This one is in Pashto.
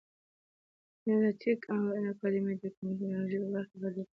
هیله ټېک انلاین اکاډمي د کامپیوټر او ټبکنالوژۍ په برخه کې فعالیت کوي.